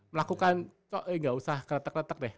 melakukan enggak usah kretek kretek deh